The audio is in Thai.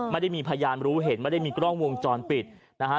ไม่ได้มีพยานรู้เห็นไม่ได้มีกล้องวงจรปิดนะฮะ